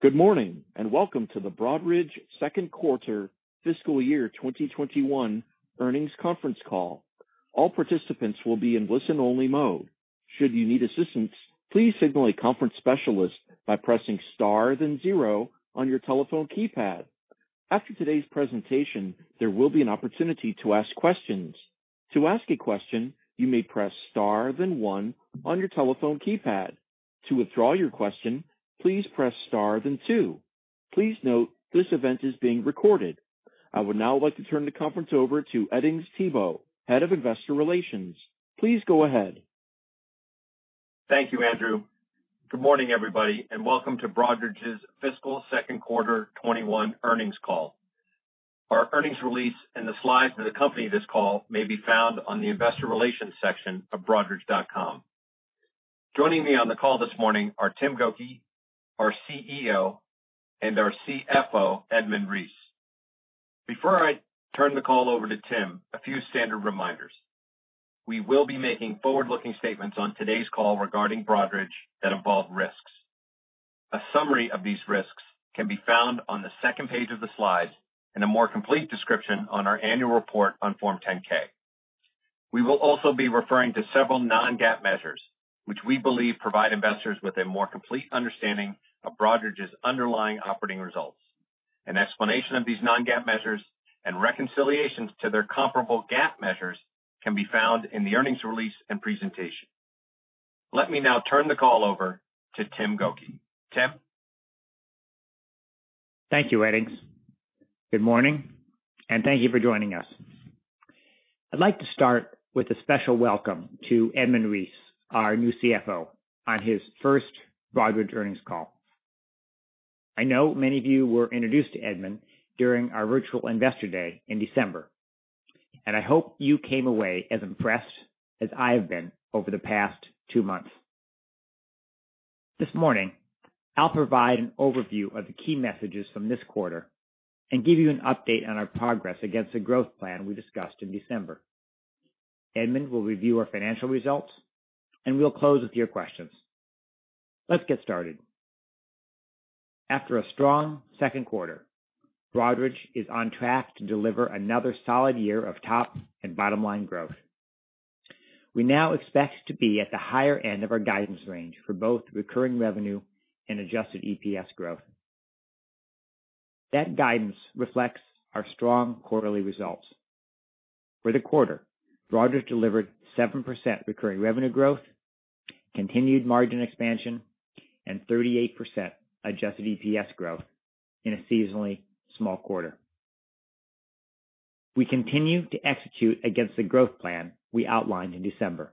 Good morning, and welcome to the Broadridge Second Quarter Fiscal Year 2021 Earnings Conference Call. All participants will be on listen-only mode. Should you need assistance, please signal the conference specialist by pressing star then zero on your telephone keypad. After todays presentation, there will be an opportunity to ask questions. To ask a question, you may press star then one on your telephone keypad. To withdraw your question, press star then two. Please note that this event is being recorded. I would now like to turn the conference over to Edings Thibault, Head of Investor Relations. Please go ahead. Thank you, Andrew. Good morning, everybody, and welcome to Broadridge's Fiscal Second Quarter 2021 Earnings Call. Our earnings release and the slides that accompany this call may be found on the investor relations section of broadridge.com. Joining me on the call this morning are Tim Gokey, our CEO, and our CFO, Edmund Reese. Before I turn the call over to Tim, a few standard reminders. We will be making forward-looking statements on today's call regarding Broadridge that involve risks. A summary of these risks can be found on the second page of the slides, and a more complete description on our annual report on Form 10-K. We will also be referring to several non-GAAP measures, which we believe provide investors with a more complete understanding of Broadridge's underlying operating results. An explanation of these non-GAAP measures and reconciliations to their comparable GAAP measures can be found in the earnings release and presentation. Let me now turn the call over to Tim Gokey. Tim? Thank you, Edings. Good morning, thank you for joining us. I'd like to start with a special welcome to Edmund Reese, our new CFO, on his first Broadridge earnings call. I know many of you were introduced to Edmund during our virtual Investor Day in December, and I hope you came away as impressed as I have been over the past two months. This morning, I'll provide an overview of the key messages from this quarter and give you an update on our progress against the growth plan we discussed in December. Edmund will review our financial results, and we'll close with your questions. Let's get started. After a strong second quarter, Broadridge is on track to deliver another solid year of top and bottom-line growth. We now expect to be at the higher end of our guidance range for both recurring revenue and adjusted EPS growth. That guidance reflects our strong quarterly results. For the quarter, Broadridge delivered 7% recurring revenue growth, continued margin expansion, and 38% adjusted EPS growth in a seasonally small quarter. We continue to execute against the growth plan we outlined in December.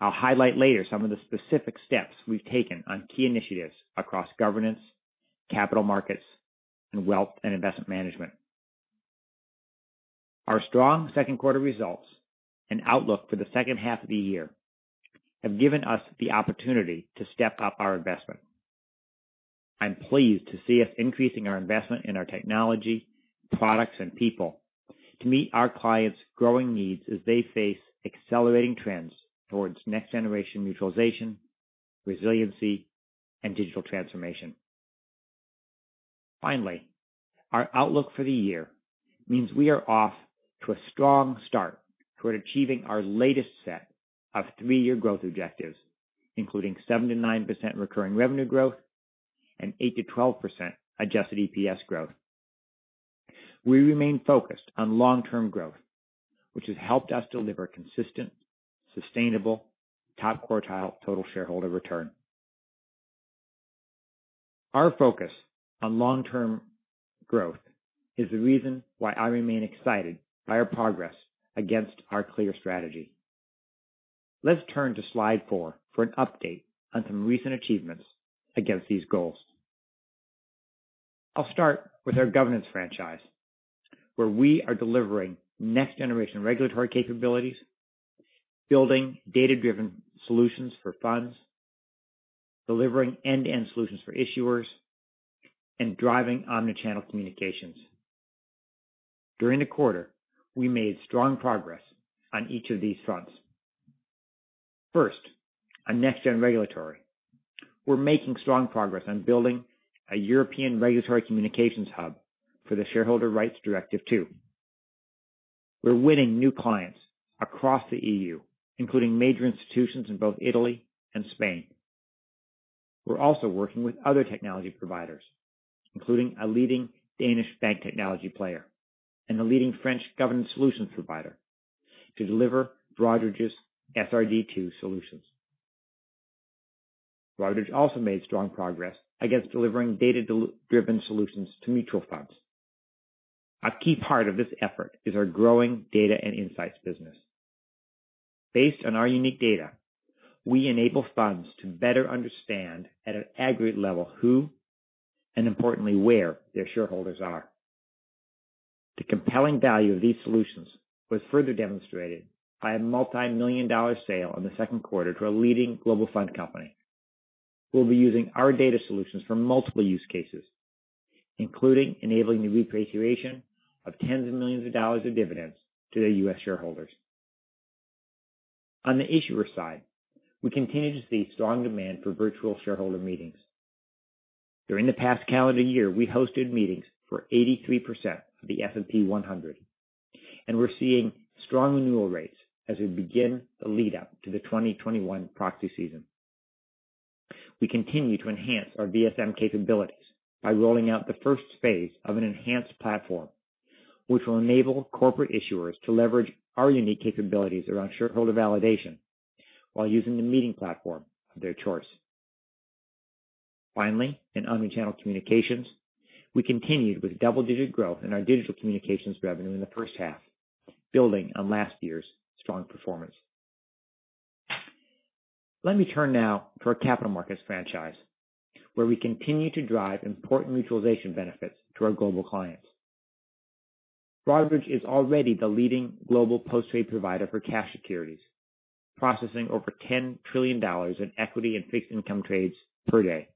I'll highlight later some of the specific steps we've taken on key initiatives across governance, capital markets, and wealth and investment management. Our strong second quarter results and outlook for the second half of the year have given us the opportunity to step up our investment. I'm pleased to see us increasing our investment in our technology, products, and people to meet our clients' growing needs as they face accelerating trends towards next generation mutualization, resiliency, and digital transformation. Finally, our outlook for the year means we are off to a strong start toward achieving our latest set of three-year growth objectives, including 7%-9% recurring revenue growth and 8%-12% adjusted EPS growth. We remain focused on long-term growth, which has helped us deliver consistent, sustainable, top-quartile total shareholder return. Our focus on long-term growth is the reason why I remain excited by our progress against our clear strategy. Let's turn to slide 4 for an update on some recent achievements against these goals. I'll start with our governance franchise, where we are delivering next-generation regulatory capabilities, building data-driven solutions for funds, delivering end-to-end solutions for issuers, and driving omni-channel communications. During the quarter, we made strong progress on each of these fronts. First, on next-gen regulatory. We're making strong progress on building a European regulatory communications hub for the Shareholder Rights Directive II. We're winning new clients across the E.U., including major institutions in both Italy and Spain. We're also working with other technology providers, including a leading Danish bank technology player and a leading French governance solutions provider, to deliver Broadridge's SRD II solutions. Broadridge also made strong progress against delivering data-driven solutions to mutual funds. A key part of this effort is our growing data and insights business. Based on our unique data, we enable funds to better understand at an aggregate level who, and importantly where, their shareholders are. The compelling value of these solutions was further demonstrated by a multimillion-dollar sale in the second quarter to a leading global fund company who will be using our data solutions for multiple use cases, including enabling the repatriation of tens of millions of dollars of dividends to their U.S. shareholders. On the issuer side, we continue to see strong demand for virtual shareholder meetings. During the past calendar year, we hosted meetings for 83% of the S&P 100. We're seeing strong renewal rates as we begin the lead up to the 2021 proxy season. We continue to enhance our VSM capabilities by rolling out the first phase of an enhanced platform, which will enable corporate issuers to leverage our unique capabilities around shareholder validation while using the meeting platform of their choice. In omnichannel communications, we continued with double-digit growth in our digital communications revenue in the first half, building on last year's strong performance. Let me turn now to our capital markets franchise, where we continue to drive important mutualization benefits to our global clients. Broadridge is already the leading global post-trade provider for cash securities, processing over $10 trillion in equity and fixed income trades per day.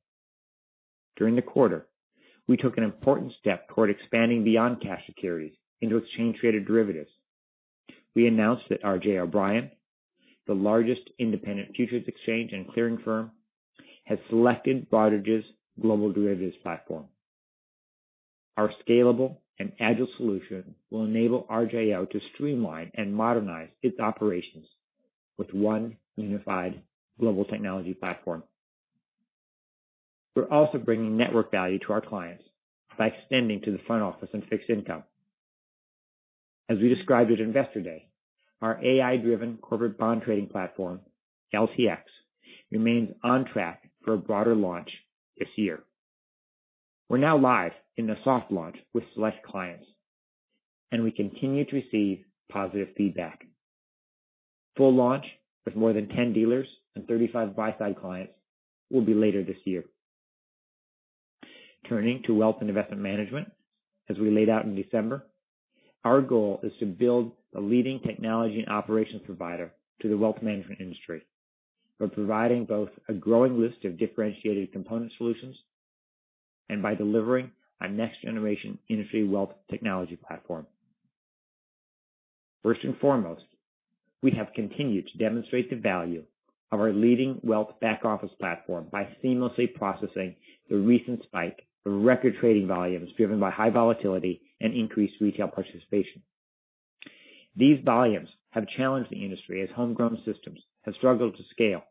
During the quarter, we took an important step toward expanding beyond cash securities into exchange-traded derivatives. We announced that R.J. O'Brien, the largest independent futures brokerage and clearing firm, has selected Broadridge's global derivatives platform. Our scalable and agile solution will enable RJO to streamline and modernize its operations with one unified global technology platform. We're also bringing network value to our clients by extending to the front office and fixed income. As we described at Investor Day, our AI-driven corporate bond trading platform, LTX, remains on track for a broader launch this year. We're now live in the soft launch with select clients, and we continue to receive positive feedback. Full launch with more than 10 dealers and 35 buy-side clients will be later this year. Turning to Wealth and Investment Management, as we laid out in December, our goal is to build a leading technology and operations provider to the wealth management industry. By providing both a growing list of differentiated component solutions and by delivering a next generation [inaudible] technology platform. First and foremost, we have continued to demonstrate the value of our leading wealth back-office platform by seamlessly processing the recent spike of record trading volumes driven by high volatility and increased retail participation. These volumes have challenged the industry as homegrown systems have struggled to scale.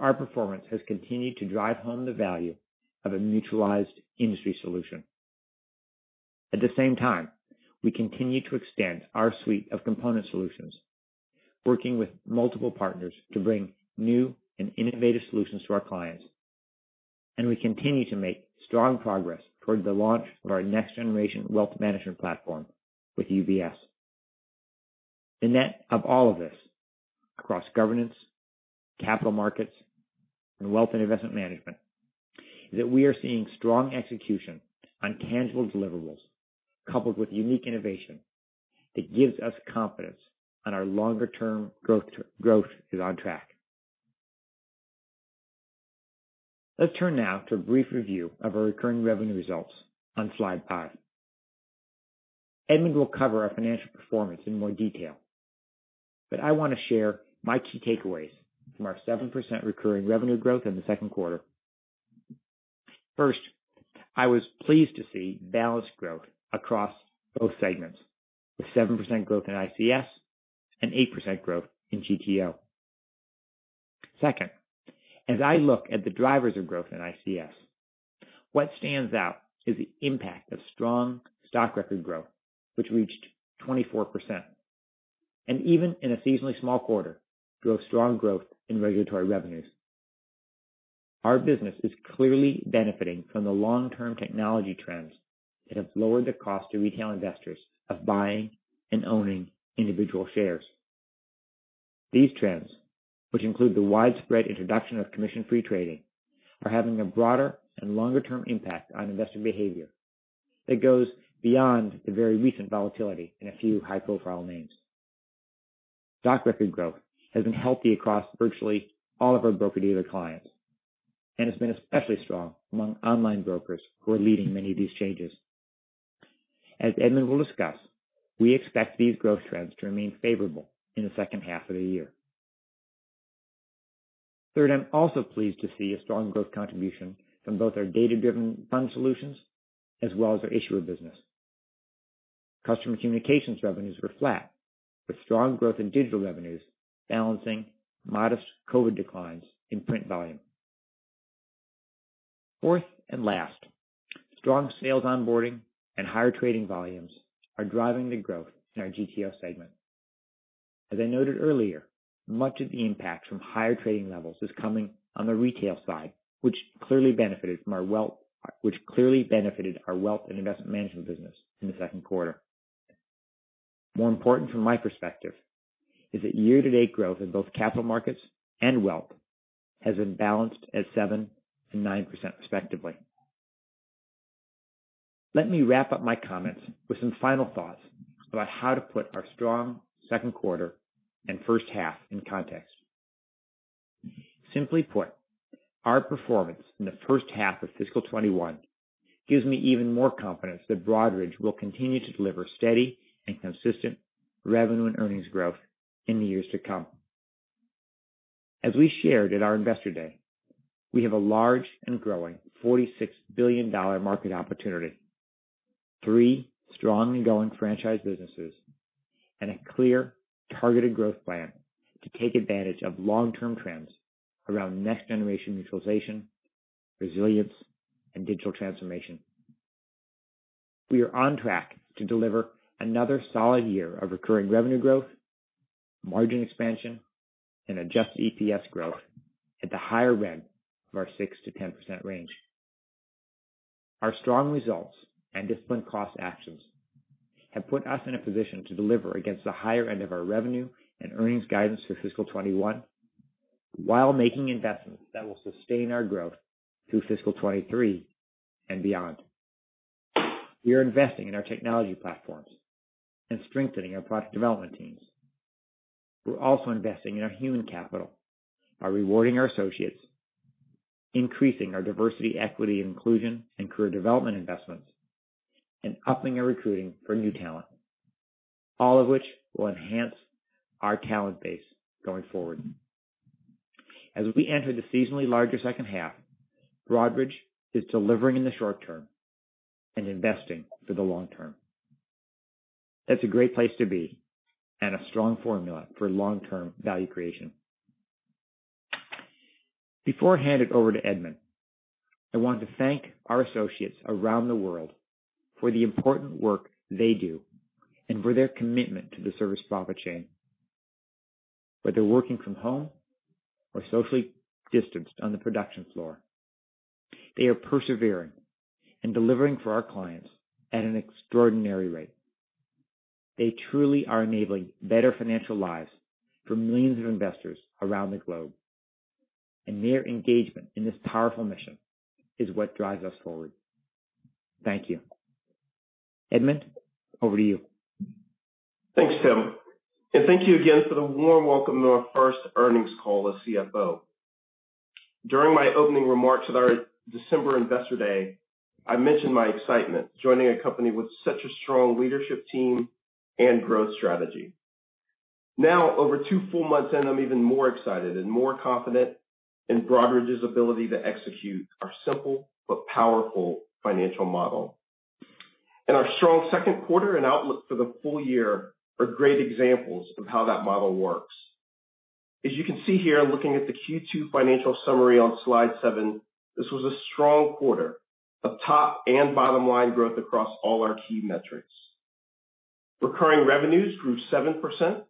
Our performance has continued to drive home the value of a mutualized industry solution. At the same time, we continue to extend our suite of component solutions, working with multiple partners to bring new and innovative solutions to our clients. We continue to make strong progress toward the launch of our next-generation wealth management platform with UBS. The net of all of this, across governance, capital markets, and wealth and investment management, is that we are seeing strong execution on tangible deliverables coupled with unique innovation that gives us confidence that our longer-term growth is on track. Let's turn now to a brief review of our recurring revenue results on slide 5. Edmund will cover our financial performance in more detail, but I want to share my key takeaways from our 7% recurring revenue growth in the second quarter. First, I was pleased to see balanced growth across both segments, with 7% growth in ICS and 8% growth in GTO. Second, as I look at the drivers of growth in ICS, what stands out is the impact of strong stock record growth, which reached 24%, and even in a seasonally small quarter, drove strong growth in regulatory revenues. Our business is clearly benefiting from the long-term technology trends that have lowered the cost to retail investors of buying and owning individual shares. These trends, which include the widespread introduction of commission-free trading, are having a broader and longer-term impact on investor behavior that goes beyond the very recent volatility in a few high-profile names. Stock record growth has been healthy across virtually all of our broker-dealer clients, and it's been especially strong among online brokers who are leading many of these changes. As Edmund will discuss, we expect these growth trends to remain favorable in the second half of the year. Third, I'm also pleased to see a strong growth contribution from both our data-driven fund solutions as well as our issuer business. Customer communications revenues were flat, with strong growth in digital revenues balancing modest COVID declines in print volume. Fourth and last, strong sales onboarding and higher trading volumes are driving the growth in our GTO segment. As I noted earlier, much of the impact from higher trading levels is coming on the retail side, which clearly benefited our wealth and investment management business in the second quarter. More important from my perspective is that year-to-date growth in both capital markets and wealth has been balanced at 7% and 9%, respectively. Let me wrap up my comments with some final thoughts about how to put our strong second quarter and first half in context. Simply put, our performance in the first half of fiscal 2021 gives me even more confidence that Broadridge will continue to deliver steady and consistent revenue and earnings growth in the years to come. As we shared at our Investor Day, we have a large and growing $46 billion market opportunity, three strongly growing franchise businesses, and a clear targeted growth plan to take advantage of long-term trends around next generation mutualization, resilience, and digital transformation. We are on track to deliver another solid year of recurring revenue growth, margin expansion, and adjusted EPS growth at the higher end of our 6%-10% range. Our strong results and disciplined cost actions have put us in a position to deliver against the higher end of our revenue and earnings guidance for fiscal 2021 while making investments that will sustain our growth through fiscal 2023 and beyond. We are investing in our technology platforms and strengthening our product development teams. We're also investing in our human capital by rewarding our associates, increasing our diversity, equity, and inclusion, and career development investments, and upping our recruiting for new talent, all of which will enhance our talent base going forward. As we enter the seasonally larger second half, Broadridge is delivering in the short term and investing for the long term. That's a great place to be and a strong formula for long-term value creation. Before I hand it over to Edmund, I want to thank our associates around the world for the important work they do and for their commitment to the service provider chain. Whether working from home or socially distanced on the production floor, they are persevering and delivering for our clients at an extraordinary rate. They truly are enabling better financial lives for millions of investors around the globe, and their engagement in this powerful mission is what drives us forward. Thank you. Edmund, over to you. Thanks, Tim, and thank you again for the warm welcome to our first earnings call as CFO. During my opening remarks at our December Investor Day, I mentioned my excitement joining a company with such a strong leadership team and growth strategy. Now, over two full months in, I'm even more excited and more confident in Broadridge's ability to execute our simple but powerful financial model. Our strong second quarter and outlook for the full year are great examples of how that model works. As you can see here, looking at the Q2 financial summary on slide 7, this was a strong quarter of top and bottom-line growth across all our key metrics. Recurring revenues grew 7%.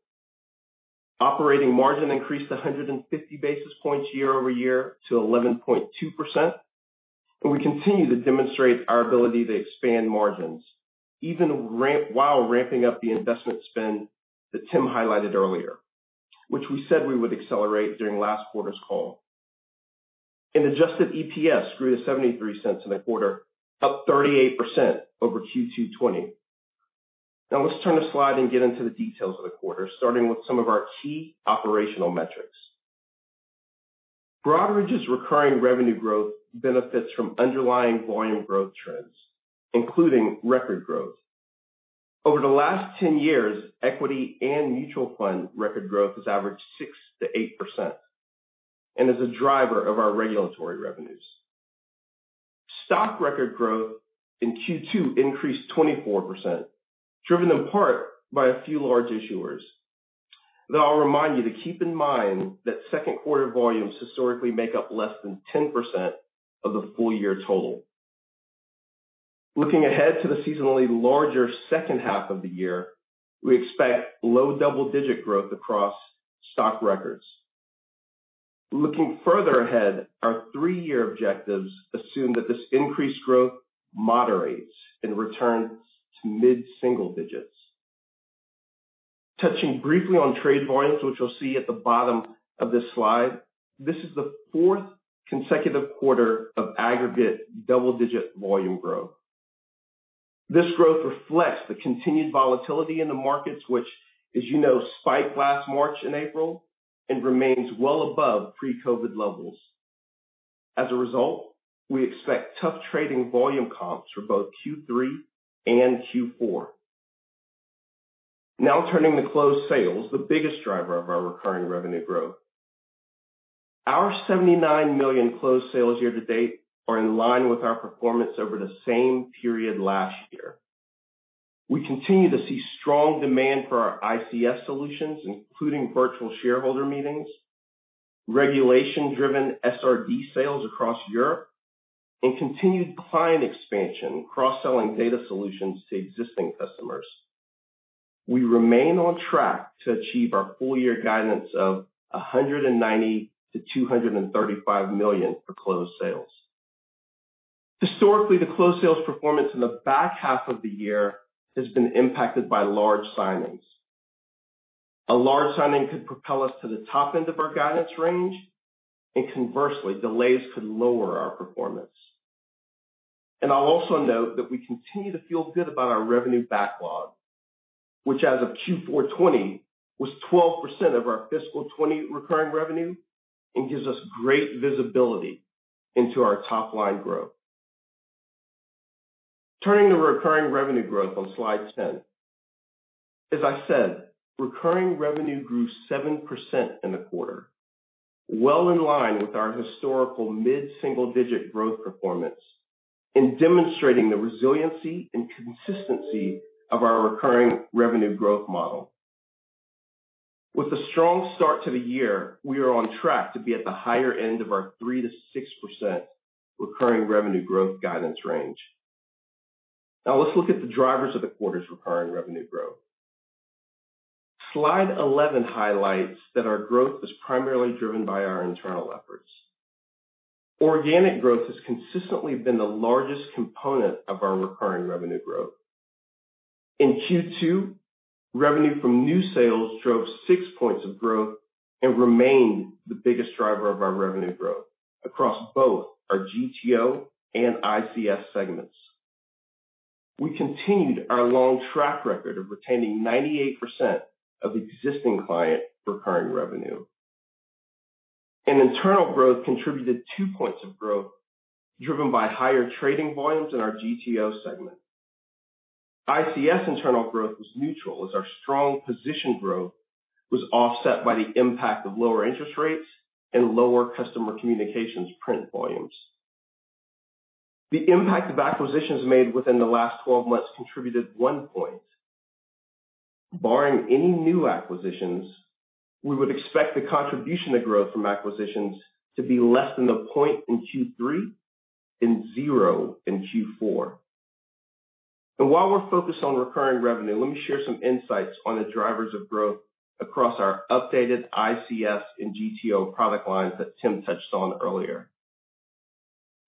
Operating margin increased 150 basis points year-over-year to 11.2%. We continue to demonstrate our ability to expand margins even while ramping up the investment spend that Tim highlighted earlier, which we said we would accelerate during last quarter's call. Adjusted EPS grew to $0.73 in the quarter, up 38% over Q2 2020. Now let's turn the slide and get into the details of the quarter, starting with some of our key operational metrics. Broadridge's recurring revenue growth benefits from underlying volume growth trends, including record growth. Over the last 10 years, equity and mutual fund record growth has averaged 6%-8% and is a driver of our regulatory revenues. Stock record growth in Q2 increased 24%, driven in part by a few large issuers. Though I'll remind you to keep in mind that second quarter volumes historically make up less than 10% of the full year total. Looking ahead to the seasonally larger second half of the year, we expect low double-digit growth across stock records. Looking further ahead, our three-year objectives assume that this increased growth moderates and returns to mid-single digits. Touching briefly on trade volumes, which you'll see at the bottom of this slide, this is the fourth consecutive quarter of aggregate double-digit volume growth. This growth reflects the continued volatility in the markets, which, as you know, spiked last March and April and remains well above pre-COVID levels. As a result, we expect tough trading volume comps for both Q3 and Q4. Now turning to closed sales, the biggest driver of our recurring revenue growth. Our $79 million closed sales year to date are in line with our performance over the same period last year. We continue to see strong demand for our ICS solutions, including virtual shareholder meetings, regulation-driven SRD sales across Europe, and continued client expansion cross-selling data solutions to existing customers. We remain on track to achieve our full year guidance of $190 million-$235 million for closed sales. Historically, the closed sales performance in the back half of the year has been impacted by large signings. A large signing could propel us to the top end of our guidance range and conversely, delays could lower our performance. I'll also note that we continue to feel good about our revenue backlog, which as of Q4 2020, was 12% of our fiscal 2020 recurring revenue and gives us great visibility into our top-line growth. Turning to recurring revenue growth on slide 10. As I said, recurring revenue grew 7% in the quarter, well in line with our historical mid-single-digit growth performance in demonstrating the resiliency and consistency of our recurring revenue growth model. With a strong start to the year, we are on track to be at the higher end of our 3%-6% recurring revenue growth guidance range. Let's look at the drivers of the quarter's recurring revenue growth. Slide 11 highlights that our growth is primarily driven by our internal efforts. Organic growth has consistently been the largest component of our recurring revenue growth. In Q2, revenue from new sales drove six points of growth and remained the biggest driver of our revenue growth across both our GTO and ICS segments. We continued our long track record of retaining 98% of existing client recurring revenue. Internal growth contributed two points of growth, driven by higher trading volumes in our GTO segment. ICS internal growth was neutral, as our strong position growth was offset by the impact of lower interest rates and lower customer communications print volumes. The impact of acquisitions made within the last 12 months contributed one point. Barring any new acquisitions, we would expect the contribution to growth from acquisitions to be less than a point in Q3 and zero in Q4. While we're focused on recurring revenue, let me share some insights on the drivers of growth across our updated ICS and GTO product lines that Tim touched on earlier.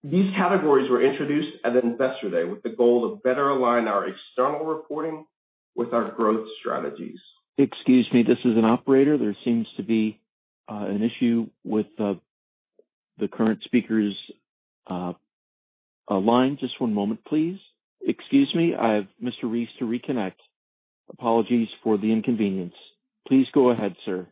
These categories were introduced at Investor Day with the goal to better align our external reporting with our growth strategies. Excuse me, this is an operator. There seems to be an issue with the current speaker's line. Just one moment, please. Excuse me, I have Mr. Reese to reconnect. Apologies for the inconvenience. Please go ahead, sir.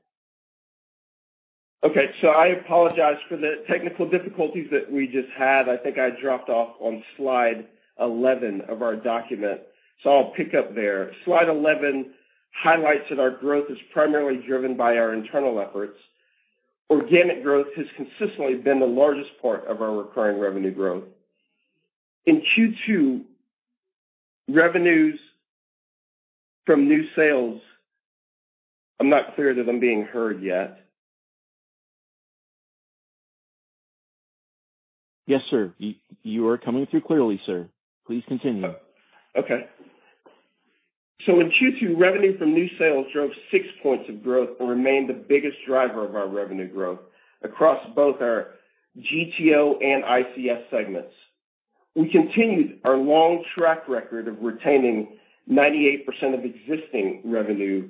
Okay. I apologize for the technical difficulties that we just had. I think I dropped off on slide 11 of our document, I'll pick up there. Slide 11 highlights that our growth is primarily driven by our internal efforts. Organic growth has consistently been the largest part of our recurring revenue growth. In Q2, revenues from new sales. I'm not clear that I'm being heard yet. Yes, sir. You are coming through clearly, sir. Please continue. Okay. In Q2, revenue from new sales drove six points of growth and remained the biggest driver of our revenue growth across both our GTO and ICS segments. We continued our long track record of retaining 98% of existing revenue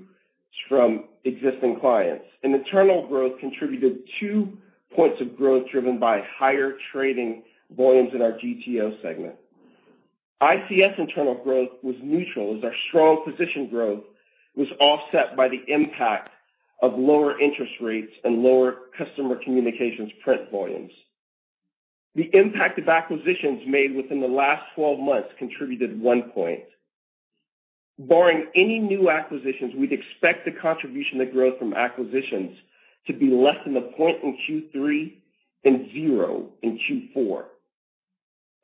from existing clients. Internal growth contributed two points of growth driven by higher trading volumes in our GTO segment. ICS internal growth was neutral, as our strong position growth was offset by the impact of lower interest rates and lower customer communications print volumes. The impact of acquisitions made within the last 12 months contributed one point. Barring any new acquisitions, we'd expect the contribution to growth from acquisitions to be less than a point in Q3 and zero in Q4.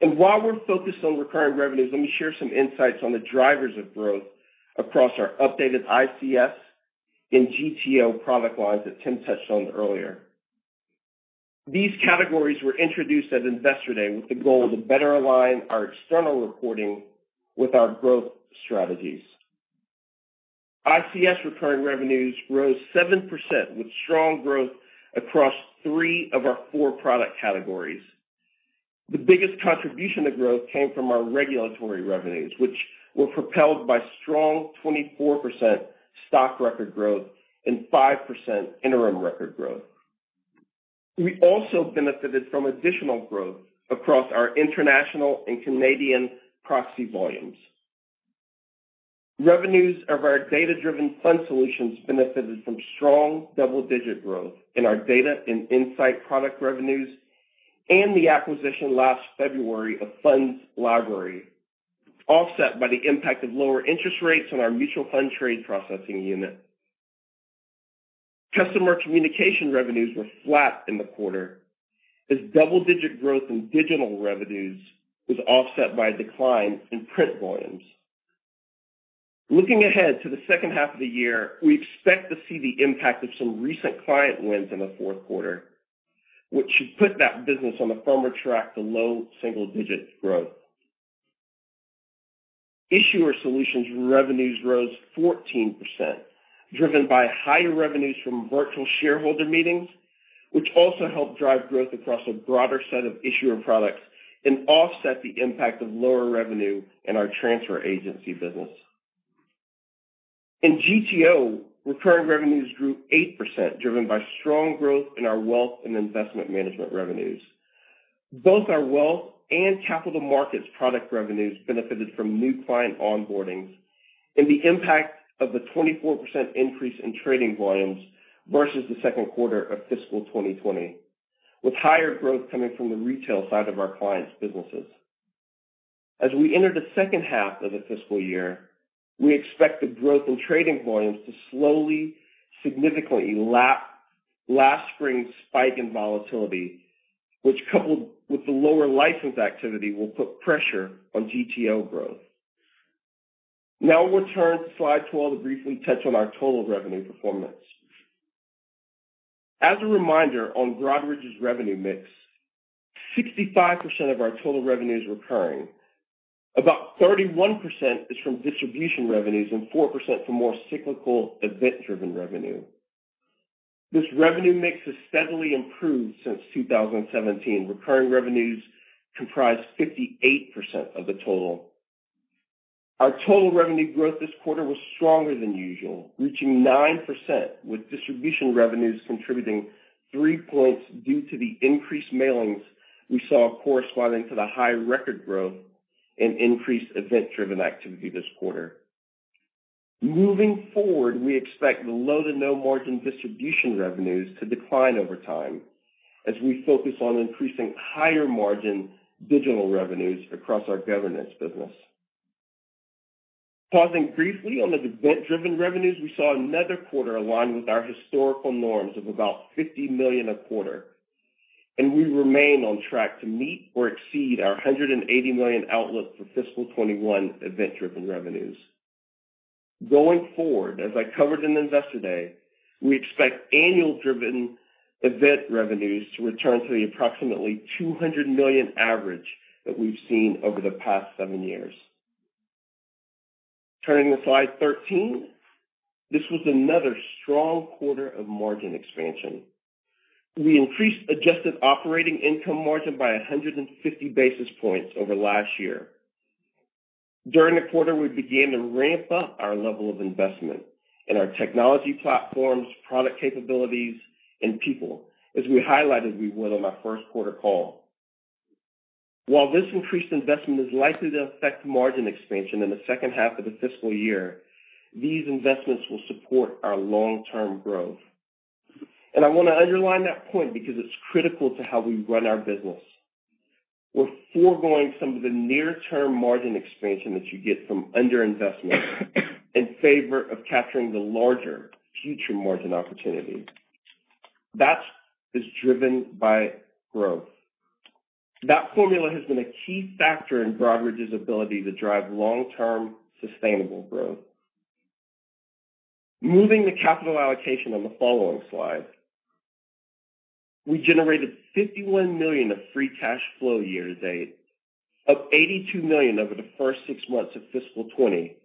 While we're focused on recurring revenues, let me share some insights on the drivers of growth across our updated ICS and GTO product lines that Tim touched on earlier. These categories were introduced at Investor Day with the goal to better align our external reporting with our growth strategies. ICS recurring revenues rose 7% with strong growth across three of our four product categories. The biggest contribution to growth came from our regulatory revenues, which were propelled by strong 24% stock record growth and 5% interim record growth. We also benefited from additional growth across our international and Canadian proxy volumes. Revenues of our data-driven fund solutions benefited from strong double-digit growth in our data and insight product revenues and the acquisition last February of FundsLibrary, offset by the impact of lower interest rates on our mutual fund trade processing unit. Customer communication revenues were flat in the quarter, as double-digit growth in digital revenues was offset by a decline in print volumes. Looking ahead to the second half of the year, we expect to see the impact of some recent client wins in the fourth quarter, which should put that business on a firmer track to low single-digit growth. Issuer Solutions revenues rose 14%, driven by higher revenues from virtual shareholder meetings, which also helped drive growth across a broader set of issuer products and offset the impact of lower revenue in our transfer agency business. In GTO, recurring revenues grew 8%, driven by strong growth in our wealth and investment management revenues. Both our wealth and capital markets product revenues benefited from new client onboardings and the impact of the 24% increase in trading volumes versus the second quarter of fiscal 2020, with higher growth coming from the retail side of our clients' businesses. As we enter the second half of the fiscal year, we expect the growth in trading volumes to slowly, significantly lap last spring's spike in volatility, which, coupled with the lower license activity, will put pressure on GTO growth. Now we'll turn to slide 12 to briefly touch on our total revenue performance. As a reminder, on Broadridge's revenue mix, 65% of our total revenue is recurring. About 31% is from distribution revenues and 4% from more cyclical event-driven revenue. This revenue mix has steadily improved since 2017. Recurring revenues comprise 58% of the total. Our total revenue growth this quarter was stronger than usual, reaching 9%, with distribution revenues contributing three points due to the increased mailings we saw corresponding to the high record growth and increased event-driven activity this quarter. Moving forward, we expect the low to no margin distribution revenues to decline over time as we focus on increasing higher margin digital revenues across our governance business. Pausing briefly on the event-driven revenues, we saw another quarter align with our historical norms of about $50 million a quarter, and we remain on track to meet or exceed our $180 million outlook for fiscal 2021 event-driven revenues. Going forward, as I covered in Investor Day, we expect annual driven event revenues to return to the approximately $200 million average that we've seen over the past seven years. Turning to slide 13, this was another strong quarter of margin expansion. We increased adjusted operating income margin by 150 basis points over last year. During the quarter, we began to ramp up our level of investment in our technology platforms, product capabilities, and people, as we highlighted we would on our first quarter call. While this increased investment is likely to affect margin expansion in the second half of the fiscal year, these investments will support our long-term growth. I want to underline that point because it's critical to how we run our business. We're foregoing some of the near-term margin expansion that you get from under-investment in favor of capturing the larger future margin opportunities. That is driven by growth. That formula has been a key factor in Broadridge's ability to drive long-term sustainable growth. Moving to capital allocation on the following slide. We generated $51 million of free cash flow year to date, up $82 million over the first six months of fiscal 2020,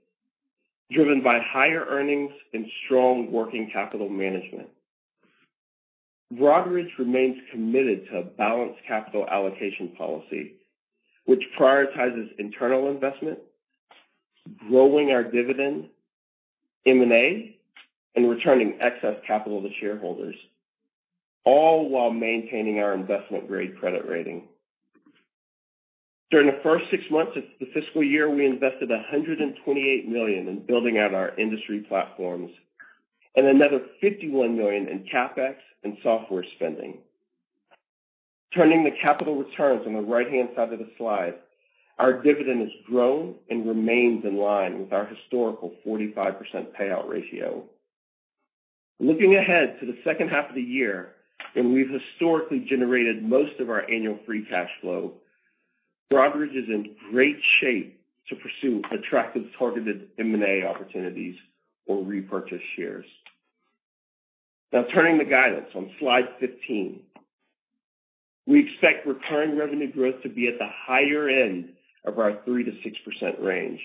driven by higher earnings and strong working capital management. Broadridge remains committed to a balanced capital allocation policy, which prioritizes internal investment, growing our dividend, M&A, and returning excess capital to shareholders, all while maintaining our investment-grade credit rating. During the first six months of the fiscal year, we invested $128 million in building out our industry platforms and another $51 million in CapEx and software spending. Turning to capital returns on the right-hand side of the slide, our dividend has grown and remains in line with our historical 45% payout ratio. Looking ahead to the second half of the year, when we've historically generated most of our annual free cash flow, Broadridge is in great shape to pursue attractive targeted M&A opportunities or repurchase shares. Now turning to guidance on slide 15. We expect recurring revenue growth to be at the higher end of our 3%-6% range,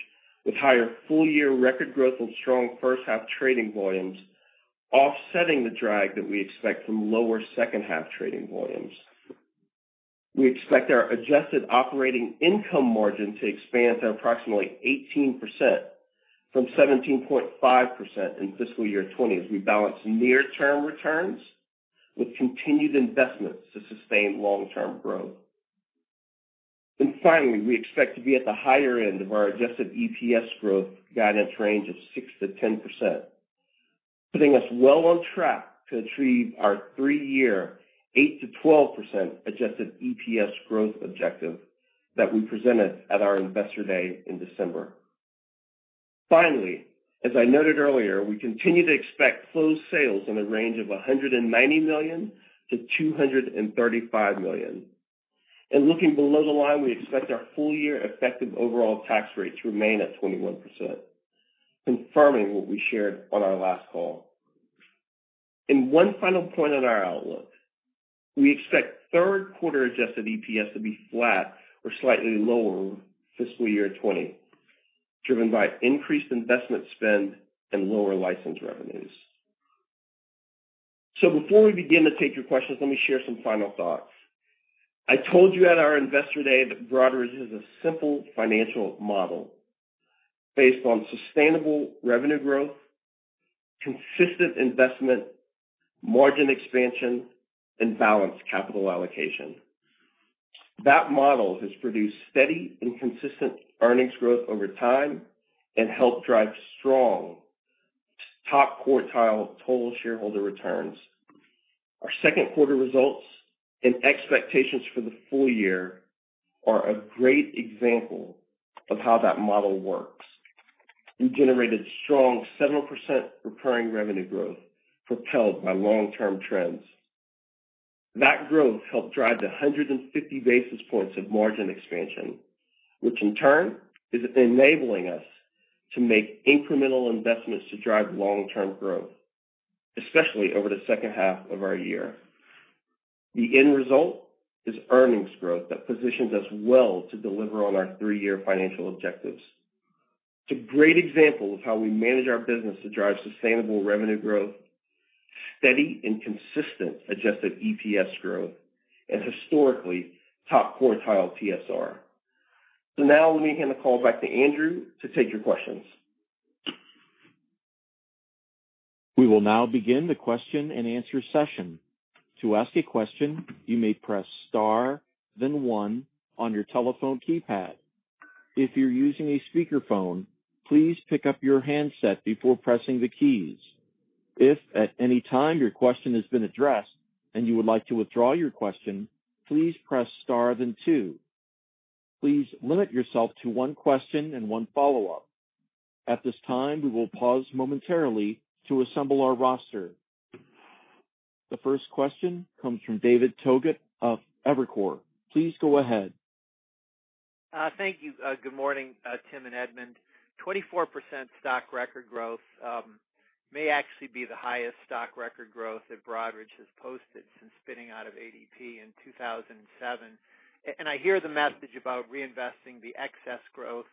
with higher full-year record growth and strong first half trading volumes offsetting the drag that we expect from lower second half trading volumes. We expect our adjusted operating income margin to expand to approximately 18%, from 17.5% in fiscal year 2020, as we balance near-term returns with continued investments to sustain long-term growth. Finally, we expect to be at the higher end of our adjusted EPS growth guidance range of 6%-10%, putting us well on track to achieve our three-year 8%-12% adjusted EPS growth objective that we presented at our Investor Day in December. Finally, as I noted earlier, we continue to expect closed sales in the range of $190 million-$235 million. Looking below the line, we expect our full-year effective overall tax rate to remain at 21%, confirming what we shared on our last call. One final point on our outlook, we expect third quarter adjusted EPS to be flat or slightly lower fiscal year 2020, driven by increased investment spend and lower license revenues. Before we begin to take your questions, let me share some final thoughts. I told you at our Investor Day that Broadridge has a simple financial model based on sustainable revenue growth, consistent investment, margin expansion, and balanced capital allocation. That model has produced steady and consistent earnings growth over time and helped drive strong top quartile total shareholder returns. Our second quarter results and expectations for the full year are a great example of how that model works. We generated strong 7% recurring revenue growth propelled by long-term trends. That growth helped drive the 150 basis points of margin expansion, which in turn is enabling us to make incremental investments to drive long-term growth, especially over the second half of our year. The end result is earnings growth that positions us well to deliver on our three-year financial objectives. It's a great example of how we manage our business to drive sustainable revenue growth, steady and consistent adjusted EPS growth, and historically top quartile TSR. Now let me hand the call back to Andrew to take your questions. We will now begin the question and answer session. To ask a question, you may press star then one on your telephone keypad. If you're using a speakerphone, please pick up your handset before pressing the keys. If at any time your question has been addressed and you would like to withdraw your question, please press star then two. Please limit yourself to one question and one follow-up. At this time, we will pause momentarily to assemble our roster. The first question comes from David Togut of Evercore. Please go ahead. Thank you. Good morning, Tim and Edmund. 24% stock record growth may actually be the highest stock record growth that Broadridge has posted since spinning out of ADP in 2007. I hear the message about reinvesting the excess growth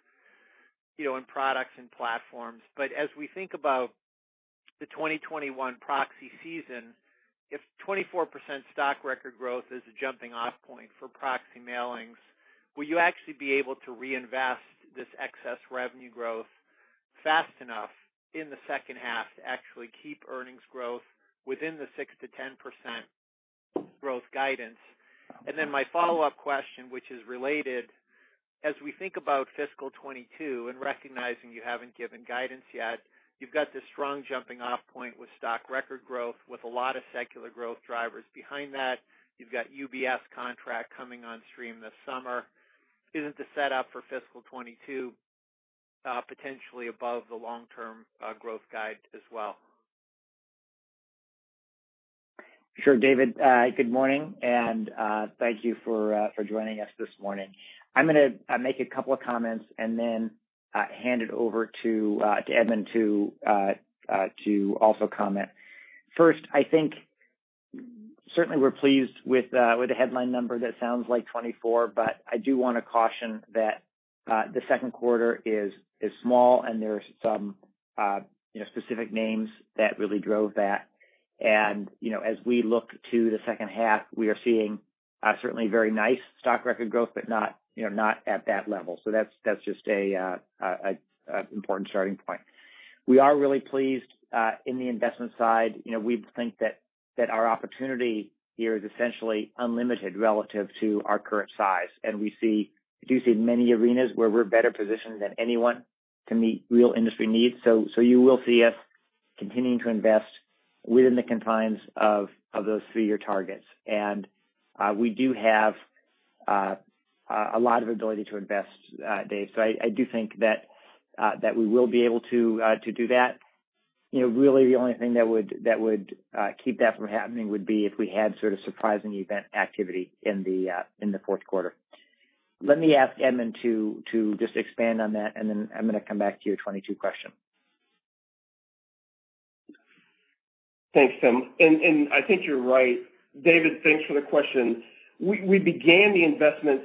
in products and platforms. As we think about the 2021 proxy season, if 24% stock record growth is a jumping-off point for proxy mailings, will you actually be able to reinvest this excess revenue growth fast enough in the second half to actually keep earnings growth within the 6%-10% growth guidance? Then my follow-up question, which is related, as we think about fiscal 2022 and recognizing you haven't given guidance yet, you've got this strong jumping-off point with stock record growth with a lot of secular growth drivers behind that. You've got UBS contract coming on stream this summer. Isn't the setup for fiscal 2022 potentially above the long-term growth guide as well? Sure, David. Good morning, and thank you for joining us this morning. I'm going to make a couple of comments and then hand it over to Edmund to also comment. First, I think certainly we're pleased with the headline number that sounds like 24%, but I do want to caution that the second quarter is small and there are some specific names that really drove that. As we look to the second half, we are seeing certainly very nice stock record growth, but not at that level. That's just an important starting point. We are really pleased in the investment side. We think that our opportunity here is essentially unlimited relative to our current size. We do see many arenas where we're better positioned than anyone to meet real industry needs. You will see us continuing to invest within the confines of those three-year targets. We do have a lot of ability to invest, Dave. I do think that we will be able to do that. Really the only thing that would keep that from happening would be if we had sort of surprising event activity in the fourth quarter. Let me ask Edmund to just expand on that, and then I'm going to come back to your 2022 question. Thanks, Tim. I think you're right. David, thanks for the question. We began the investments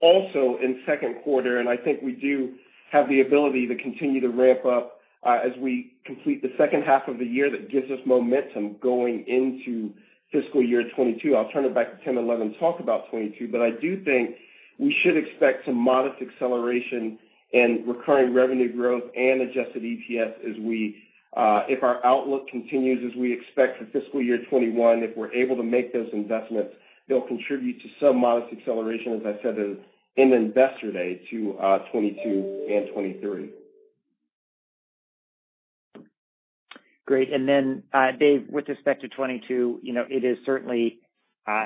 also in the second quarter, and I think we do have the ability to continue to ramp up as we complete the second half of the year that gives us momentum going into fiscal year 2022. I'll turn it back to Tim to let him talk about 2022, but I do think we should expect some modest acceleration in recurring revenue growth and adjusted EPS if our outlook continues as we expect for fiscal year 2021. If we're able to make those investments, they'll contribute to some modest acceleration, as I said in Investor Day to 2022 and 2023. Great. Then, Dave, with respect to 2022, it is certainly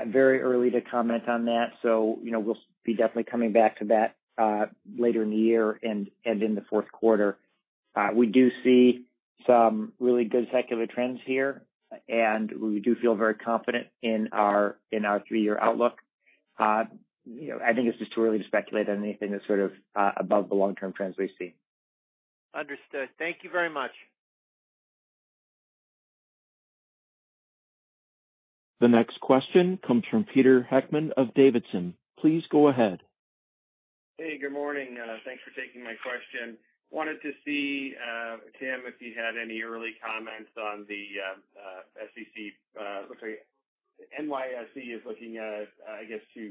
very early to comment on that. We'll be definitely coming back to that later in the year and in the fourth quarter. We do see some really good secular trends here, and we do feel very confident in our three-year outlook. I think it's just too early to speculate on anything that's sort of above the long-term trends we see. Understood. Thank you very much. The next question comes from Peter Heckmann of Davidson. Please go ahead. Hey, good morning. Thanks for taking my question. Wanted to see, Tim, if you had any early comments on the SEC. Looks like NYSE is looking, I guess, to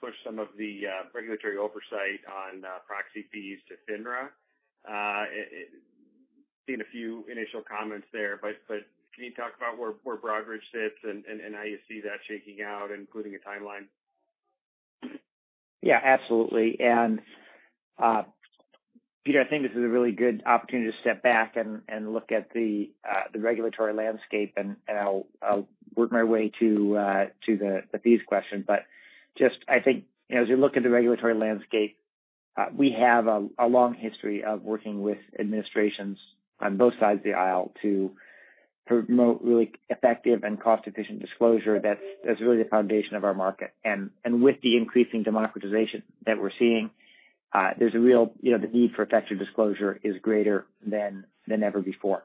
push some of the regulatory oversight on proxy fees to FINRA? I've seen a few initial comments there. Can you talk about where Broadridge sits and how you see that shaking out, including a timeline? Yeah, absolutely. Peter, I think this is a really good opportunity to step back and look at the regulatory landscape, and I'll work my way to the fees question. I think, as we look at the regulatory landscape, we have a long history of working with administrations on both sides of the aisle to promote really effective and cost-efficient disclosure that's really the foundation of our market. With the increasing democratization that we're seeing, the need for effective disclosure is greater than ever before.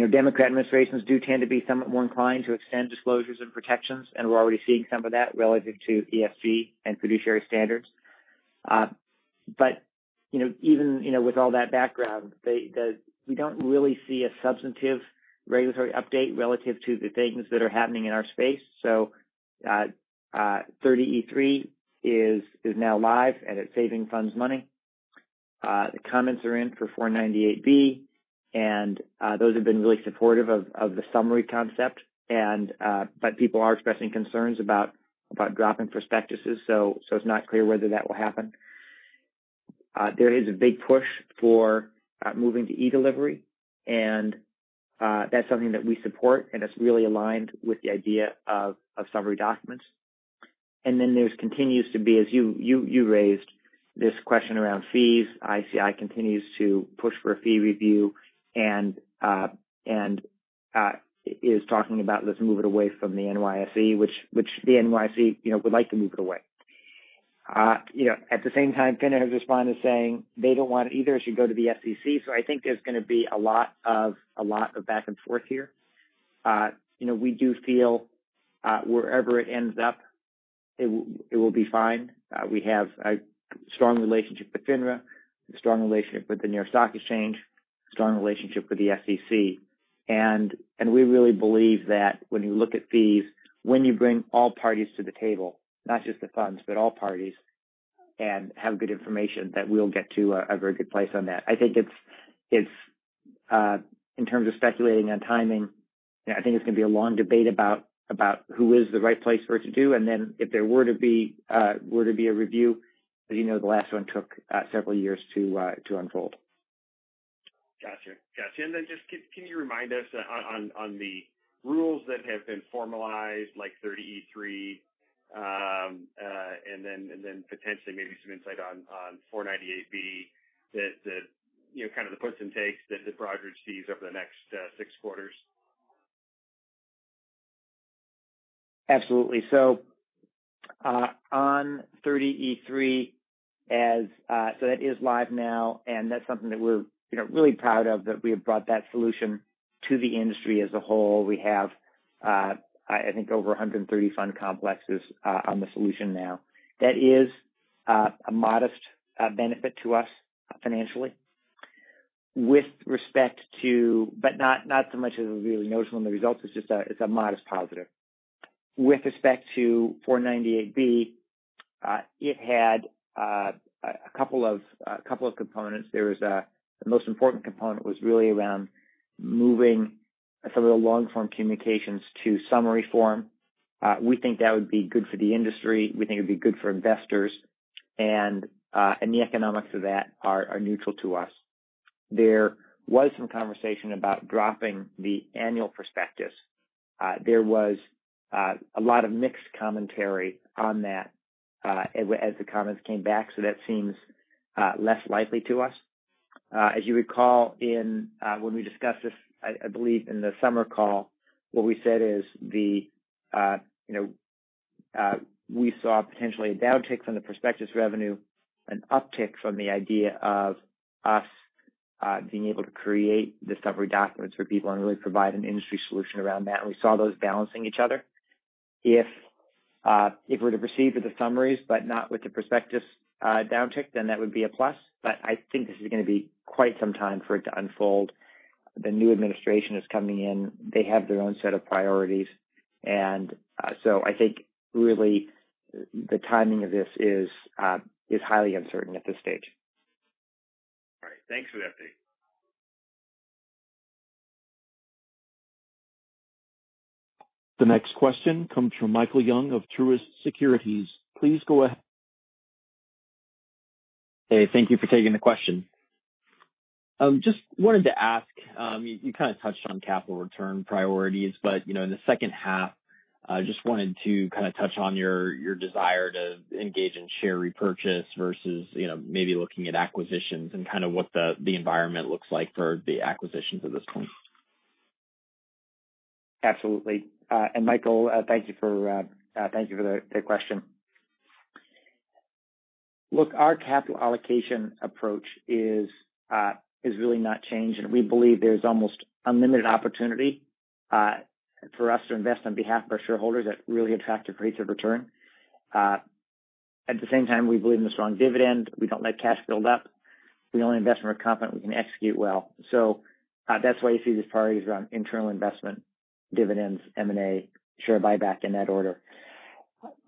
Democrat administrations do tend to be somewhat more inclined to extend disclosures and protections, and we're already seeing some of that relative to ESG and fiduciary standards. Even with all that background, we don't really see a substantive regulatory update relative to the things that are happening in our space. 30e-3 is now live, and it's saving funds money. The comments are in for 498-B. Those have been really supportive of the summary concept. People are expressing concerns about dropping prospectuses. It's not clear whether that will happen. There is a big push for moving to e-delivery. That's something that we support. It's really aligned with the idea of summary documents. There continues to be, as you raised, this question around fees. ICI continues to push for a fee review. Is talking about let's move it away from the NYSE, which the NYSE would like to move it away. At the same time, FINRA has responded saying they don't want it either. It should go to the SEC. I think there's going to be a lot of back and forth here. We do feel wherever it ends up, it will be fine. We have a strong relationship with FINRA, a strong relationship with the New York Stock Exchange, a strong relationship with the SEC. We really believe that when you look at fees, when you bring all parties to the table, not just the funds, but all parties, and have good information, that we'll get to a very good place on that. I think in terms of speculating on timing, I think it's going to be a long debate about who is the right place for it to do, and then if there were to be a review, the last one took several years to unfold. Got you. Just can you remind us on the rules that have been formalized, like 30e-3, and then potentially maybe some insight on 498-B that the kind of the puts and takes that Broadridge sees over the next six quarters? Absolutely. On 30e-3, so that is live now, and that's something that we're really proud of that we have brought that solution to the industry as a whole. We have I think over 130 fund complexes on the solution now. That is a modest benefit to us financially. Not so much as really noticeable in the results. It's a modest positive. With respect to 498-B, it had a couple of components. The most important component was really around moving some of the long-form communications to summary form. We think that would be good for the industry. We think it would be good for investors. The economics of that are neutral to us. There was some conversation about dropping the annual prospectus. There was a lot of mixed commentary on that as the comments came back, so that seems less likely to us. As you recall when we discussed this, I believe in the summer call, what we said is we saw potentially a downtick from the prospectus revenue, an uptick from the idea of us being able to create discovery documents for people and really provide an industry solution around that, and we saw those balancing each other. If we were to proceed with the summaries, but not with the prospectus downtick, then that would be a plus. I think this is going to be quite some time for it to unfold. The new administration is coming in. They have their own set of priorities. I think really the timing of this is highly uncertain at this stage. All right. Thanks for the update. The next question comes from Michael Young of Truist Securities. Please go ahead. Hey, thank you for taking the question. Just wanted to ask, you kind of touched on capital return priorities, but in the second half, just wanted to kind of touch on your desire to engage in share repurchase versus maybe looking at acquisitions and kind of what the environment looks like for the acquisitions at this point. Absolutely. And Michael, thank you for the question. Look, our capital allocation approach has really not changed, and we believe there's almost unlimited opportunity for us to invest on behalf of our shareholders at really attractive rates of return. At the same time, we believe in a strong dividend. We don't let cash build up. We only invest where we're confident we can execute well. That's why you see these priorities around internal investment, dividends, M&A, share buyback in that order.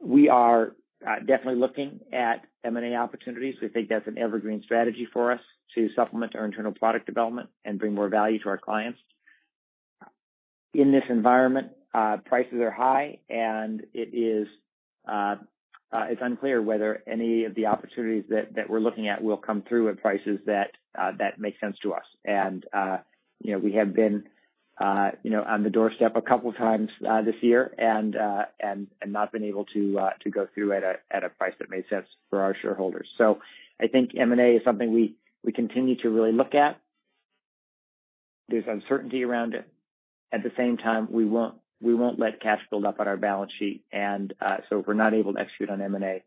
We are definitely looking at M&A opportunities. We think that's an evergreen strategy for us to supplement our internal product development and bring more value to our clients. In this environment, prices are high, and it's unclear whether any of the opportunities that we're looking at will come through at prices that make sense to us. We have been on the doorstep a couple of times this year and not been able to go through at a price that made sense for our shareholders. I think M&A is something we continue to really look at. There's uncertainty around it. At the same time, we won't let cash build up on our balance sheet. If we're not able to execute on M&A,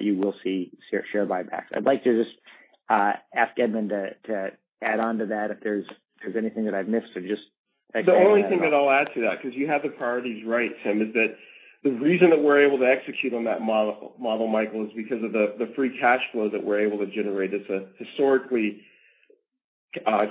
you will see share buybacks. I'd like to just ask Edmund to add on to that if there's anything that I've missed. The only thing that I'll add to that, because you have the priorities right, Tim, is that the reason that we're able to execute on that model, Michael, is because of the free cash flow that we're able to generate. It's a historically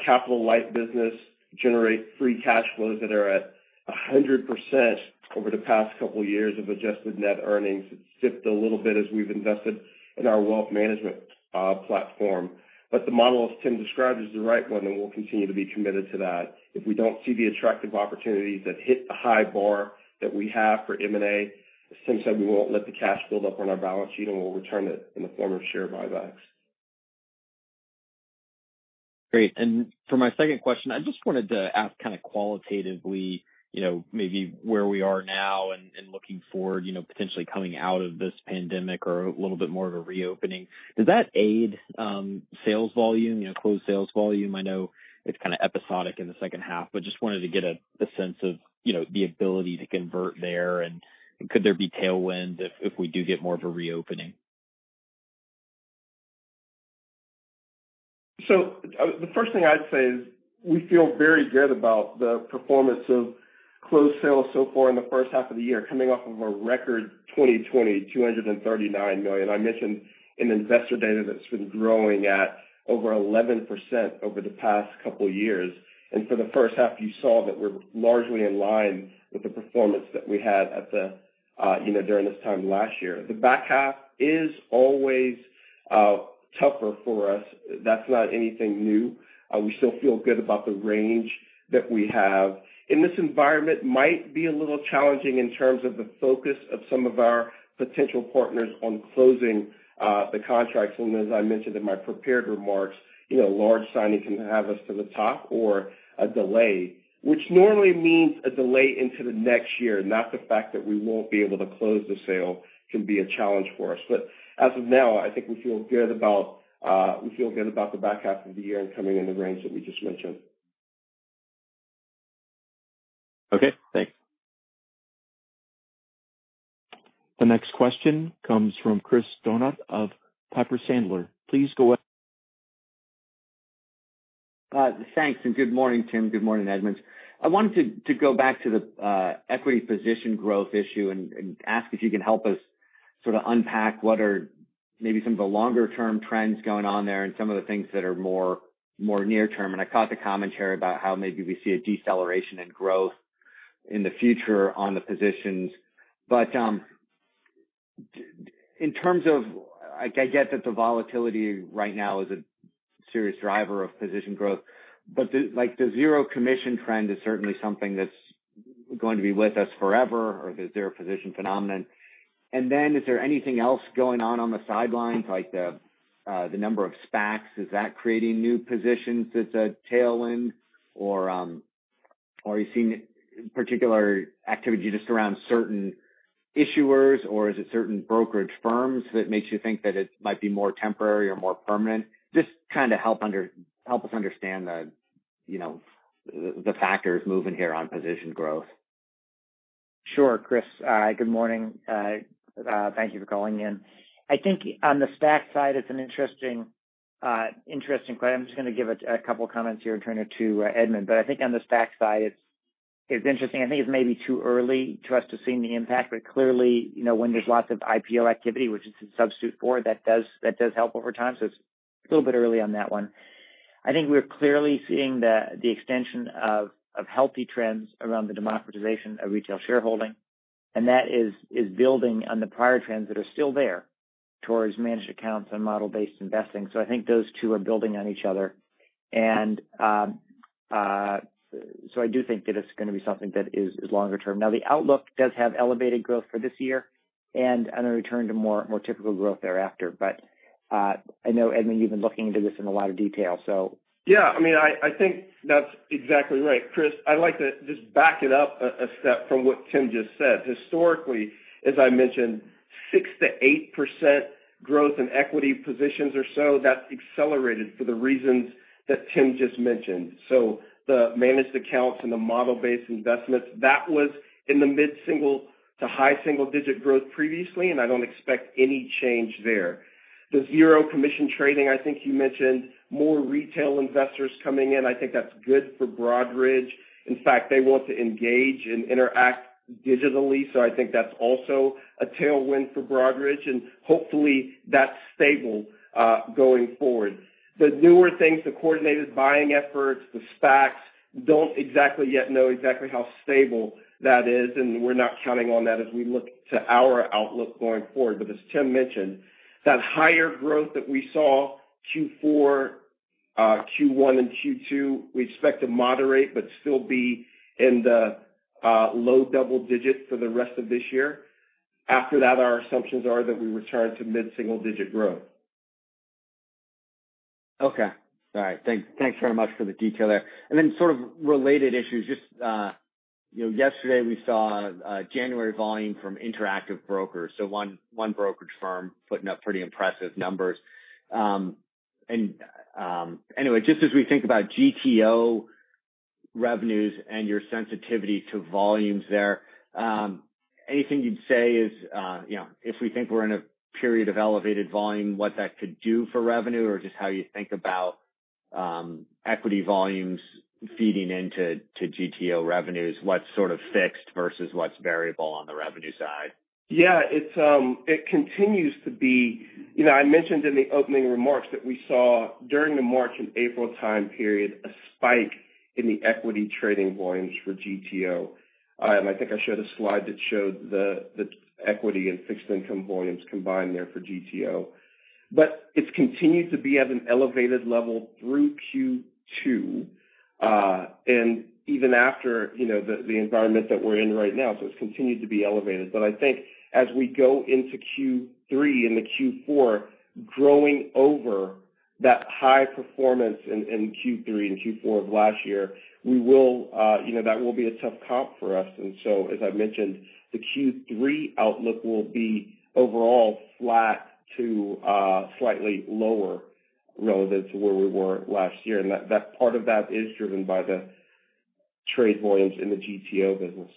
capital-light business, generates free cash flows that are at 100% over the past couple of years of adjusted net earnings. It's dipped a little bit as we've invested in our wealth management platform. The model, as Tim described, is the right one, and we'll continue to be committed to that. If we don't see the attractive opportunities that hit the high bar that we have for M&A, as Tim said, we won't let the cash build up on our balance sheet, and we'll return it in the form of share buybacks. Great. For my second question, I just wanted to ask kind of qualitatively, maybe where we are now and looking forward, potentially coming out of this pandemic or a little bit more of a reopening. Does that aid sales volume, closed sales volume? I know it's kind of episodic in the second half, but just wanted to get a sense of the ability to convert there, and could there be tailwind if we do get more of a reopening? The first thing I'd say is we feel very good about the performance of closed sales so far in the first half of the year, coming off of a record 2020, $239 million. I mentioned in Investor Day that's been growing at over 11% over the past couple of years. For the first half, you saw that we're largely in line with the performance that we had during this time last year. The back half is always tougher for us. That's not anything new. We still feel good about the range that we have. This environment might be a little challenging in terms of the focus of some of our potential partners on closing the contracts. As I mentioned in my prepared remarks, a large signing can have us to the top or a delay, which normally means a delay into the next year. Not the fact that we won't be able to close the sale can be a challenge for us. As of now, I think we feel good about the back half of the year and coming in the range that we just mentioned. Okay, thanks. The next question comes from Chris Donat of Piper Sandler. Please go ahead. Thanks, and good morning, Tim. Good morning, Edmund. I wanted to go back to the equity position growth issue and ask if you can help us sort of unpack what are maybe some of the longer-term trends going on there and some of the things that are more near term. I caught the commentary about how maybe we see a deceleration in growth in the future on the positions. In terms of, I get that the volatility right now is a serious driver of position growth, but the zero commission trend is certainly something that's going to be with us forever or is there a [position phenomenon?] Is there anything else going on on the sidelines, like the number of SPACs? Is that creating new positions as a tailwind? Are you seeing particular activity just around certain issuers, or is it certain brokerage firms that makes you think that it might be more temporary or more permanent? Just kind of help us understand the factors moving here on position growth. Sure, Chris. Good morning. Thank you for calling in. I think on the SPAC side, it's an interesting claim. I'm just going to give a couple of comments here and turn it to Edmund. I think on the SPAC side, it's interesting. I think it's maybe too early to us to have seen the impact. Clearly, when there's lots of IPO activity, which it's a substitute for, that does help over time. It's a little bit early on that one. I think we're clearly seeing the extension of healthy trends around the democratization of retail shareholding, and that is building on the prior trends that are still there towards managed accounts and model-based investing. I think those two are building on each other. I do think that it's going to be something that is longer term. The outlook does have elevated growth for this year and on a return to more typical growth thereafter. I know, Edmund, you've been looking into this in a lot of detail. Yeah, I think that's exactly right. Chris, I'd like to just back it up a step from what Tim just said. Historically, as I mentioned, 6%-8% growth in equity positions or so, that's accelerated for the reasons that Tim just mentioned. The managed accounts and the model-based investments, that was in the mid-single to high single-digit growth previously, and I don't expect any change there. The zero commission trading, I think you mentioned more retail investors coming in. I think that's good for Broadridge. In fact, they want to engage and interact digitally, so I think that's also a tailwind for Broadridge, and hopefully that's stable going forward. The newer things, the coordinated buying efforts, the SPACs, don't exactly yet know exactly how stable that is, and we're not counting on that as we look to our outlook going forward. As Tim mentioned, that higher growth that we saw Q4, Q1, and Q2, we expect to moderate but still be in the low double digits for the rest of this year. After that, our assumptions are that we return to mid-single digit growth. Okay. All right. Thanks very much for the detail there. Then sort of related issues, just yesterday we saw January volume from Interactive Brokers. One brokerage firm putting up pretty impressive numbers. Anyway, just as we think about GTO revenues and your sensitivity to volumes there, anything you'd say is, if we think we're in a period of elevated volume, what that could do for revenue? Just how you think about equity volumes feeding into GTO revenues, what's sort of fixed versus what's variable on the revenue side? Yeah. I mentioned in the opening remarks that we saw during the March and April time period, a spike in the equity trading volumes for GTO. I think I showed a slide that showed the equity and fixed income volumes combined there for GTO. It's continued to be at an elevated level through Q2. Even after the environment that we're in right now, so it's continued to be elevated. I think as we go into Q3 and the Q4, growing over that high performance in Q3 and Q4 of last year, that will be a tough comp for us. As I mentioned, the Q3 outlook will be overall flat to slightly lower relative to where we were last year. That part of that is driven by the trade volumes in the GTO business.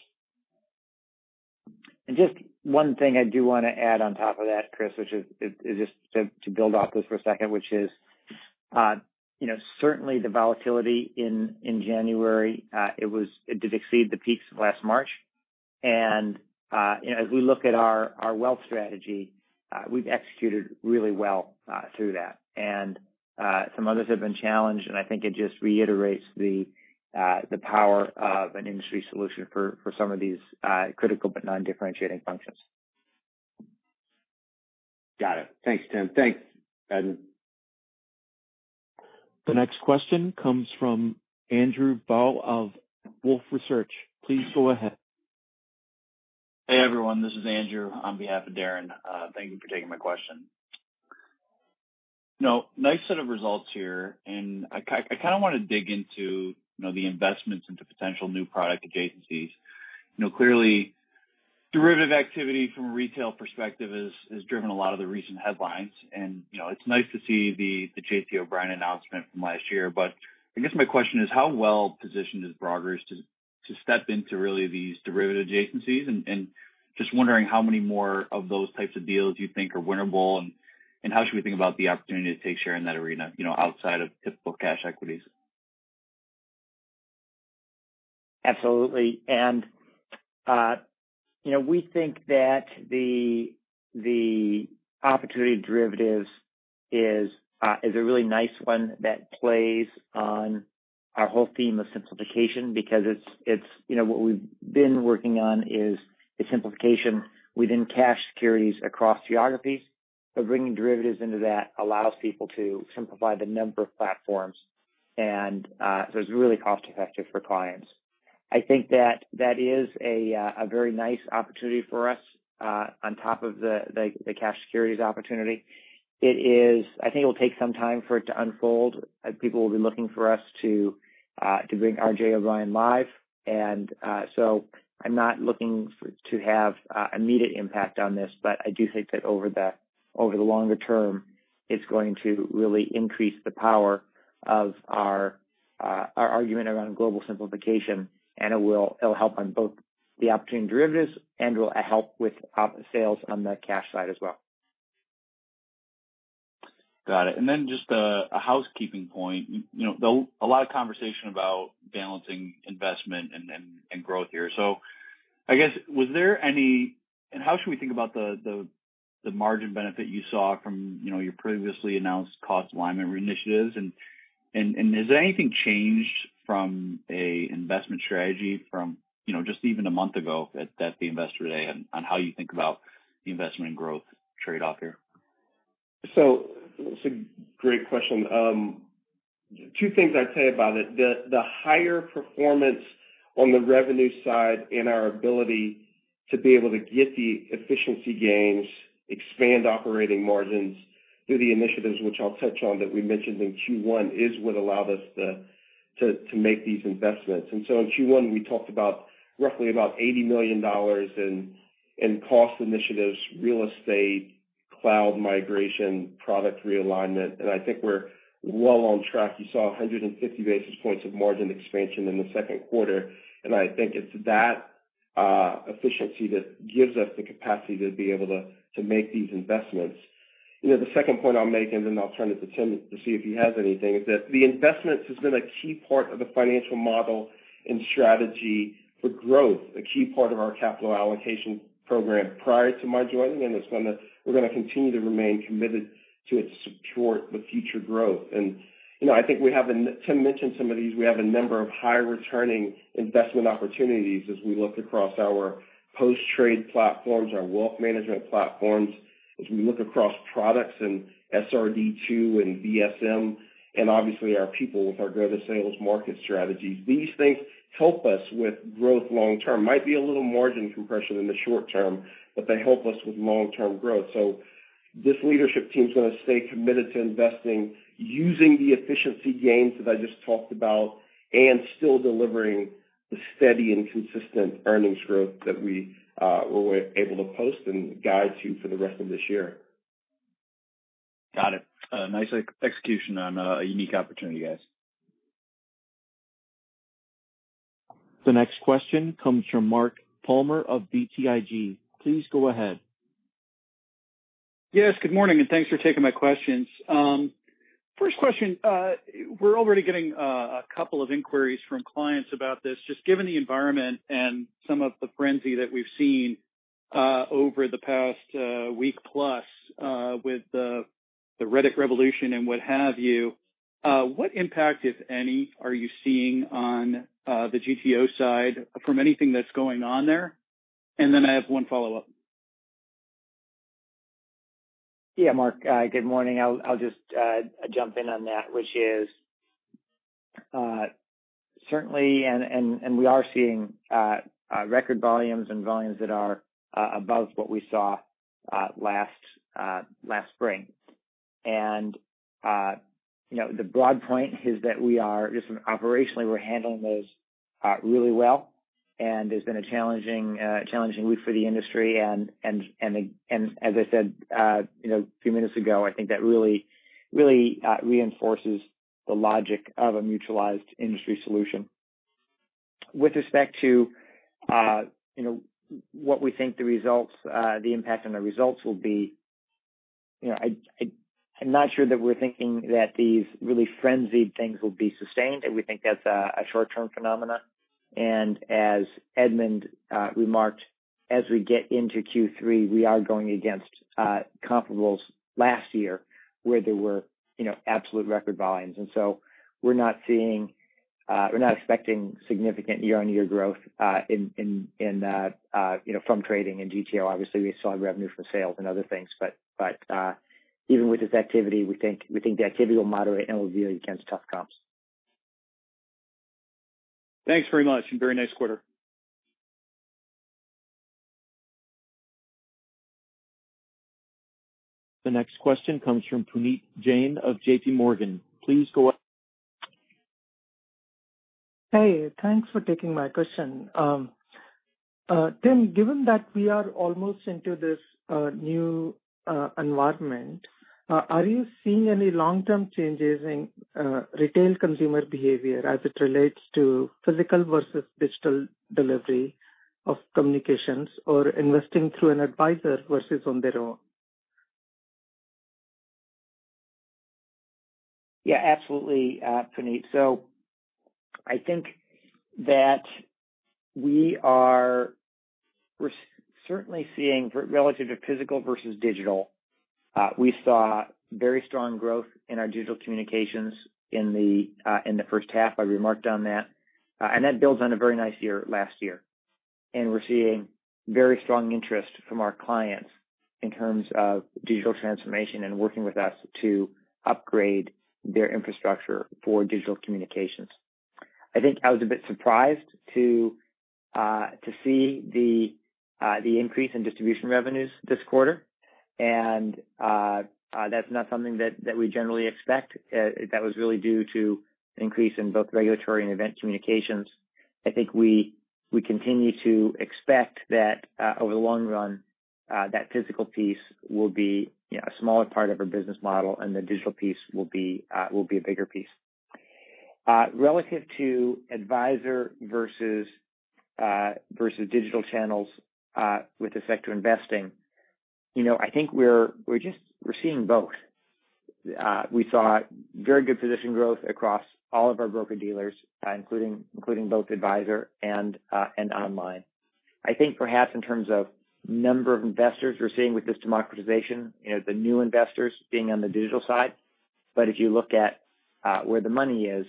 Just one thing I do want to add on top of that, Chris, which is just to build off this for a second, which is certainly the volatility in January. It did exceed the peaks of last March. As we look at our wealth strategy, we've executed really well through that. Some others have been challenged, and I think it just reiterates the power of an industry solution for some of these critical but non-differentiating functions. Got it. Thanks, Tim. Thanks, Edmund. The next question comes from Andrew Bauch of Wolfe Research. Please go ahead. Hey, everyone, this is Andrew on behalf of Darrin. Thank you for taking my question. Nice set of results here. I kind of want to dig into the investments into potential new product adjacencies. Clearly derivative activity from a retail perspective has driven a lot of the recent headlines. It's nice to see the J.P. Morgan announcement from last year. I guess my question is, how well-positioned is Broadridge to step into really these derivative adjacencies? Just wondering how many more of those types of deals you think are winnable, and how should we think about the opportunity to take share in that arena outside of typical cash equities? Absolutely. We think that the opportunity derivatives is a really nice one that plays on our whole theme of simplification because what we've been working on is the simplification within cash securities across geographies. Bringing derivatives into that allows people to simplify the number of platforms, and so it's really cost-effective for clients. I think that is a very nice opportunity for us on top of the cash securities opportunity. I think it will take some time for it to unfold, as people will be looking for us to bring R.J. O'Brien live. I'm not looking to have immediate impact on this, but I do think that over the longer term, it's going to really increase the power of our argument around global simplification, and it'll help on both the opportunity derivatives and will help with sales on the cash side as well. Got it. Then just a housekeeping point. A lot of conversation about balancing investment and growth here. I guess, was there any, and how should we think about the margin benefit you saw from your previously announced cost alignment initiatives? Has anything changed from a investment strategy from just even a month ago at the Investor Day on how you think about the investment and growth trade-off here? That's a great question. Two things I'd say about it. The higher performance on the revenue side and our ability to be able to get the efficiency gains, expand operating margins through the initiatives which I'll touch on that we mentioned in Q1 is what allowed us to make these investments. In Q1, we talked about roughly about $80 million in cost initiatives, real estate, cloud migration, product realignment, and I think we're well on track. You saw 150 basis points of margin expansion in the second quarter, and I think it's that efficiency that gives us the capacity to be able to make these investments. The second point I'll make, and then I'll turn it to Tim to see if he has anything, is that the investments has been a key part of the financial model and strategy for growth, a key part of our capital allocation program prior to my joining, and we're going to continue to remain committed to it to support the future growth. I think Tim mentioned some of these. We have a number of high-returning investment opportunities as we look across our post-trade platforms, our wealth management platforms, as we look across products and SRD II and VSM, obviously our people with our go-to-market strategies. These things help us with growth long term. Might be a little margin compression in the short term, but they help us with long-term growth. This leadership team's going to stay committed to investing using the efficiency gains that I just talked about and still delivering the steady and consistent earnings growth that we were able to post and guide to for the rest of this year. Got it. Nice execution on a unique opportunity, guys. The next question comes from Mark Palmer of BTIG. Please go ahead. Yes, good morning, and thanks for taking my questions. First question, we're already getting a couple of inquiries from clients about this. Just given the environment and some of the frenzy that we've seen over the past week plus with the Reddit revolution and what have you, what impact, if any, are you seeing on the GTO side from anything that's going on there? I have one follow-up. Yeah, Mark, good morning. I'll just jump in on that, which is certainly, and we are seeing record volumes and volumes that are above what we saw last spring. The broad point is that operationally, we're handling those really well, and it's been a challenging week for the industry, and as I said a few minutes ago, I think that really reinforces the logic of a mutualized industry solution. With respect to what we think the impact on the results will be, I'm not sure that we're thinking that these really frenzied things will be sustained, and we think that's a short-term phenomena. As Edmund remarked, as we get into Q3, we are going against comparables last year where there were absolute record volumes. We're not expecting significant year-on-year growth from trading in GTO. We saw revenue from sales and other things, but even with this activity, we think the activity will moderate, and we'll be against tough comps. Thanks very much, and very nice quarter. The next question comes from Puneet Jain of JPMorgan. Hey, thanks for taking my question. Tim, given that we are almost into this new environment, are you seeing any long-term changes in retail consumer behavior as it relates to physical versus digital delivery of communications or investing through an advisor versus on their own? Yeah, absolutely, Puneet. I think that we're certainly seeing relative to physical versus digital, we saw very strong growth in our digital communications in the first half. I remarked on that. That builds on a very nice year last year. We're seeing very strong interest from our clients in terms of digital transformation and working with us to upgrade their infrastructure for digital communications. I think I was a bit surprised to see the increase in distribution revenues this quarter. That's not something that we generally expect. That was really due to an increase in both regulatory and event communications. I think we continue to expect that over the long run, that physical piece will be a smaller part of our business model and the digital piece will be a bigger piece. Relative to advisor versus digital channels with respect to investing, I think we're seeing both. We saw very good position growth across all of our broker-dealers, including both advisor and online. I think perhaps in terms of number of investors we're seeing with this democratization, the new investors being on the digital side. If you look at where the money is,